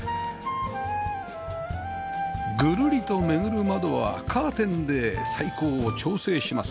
ぐるりと巡る窓はカーテンで採光を調整します